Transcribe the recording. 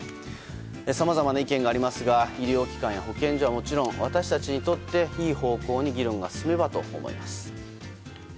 さまざまな意見がありますが医療機関や保健所はもちろん私たちにとっていい方向に議論が進めばと思います。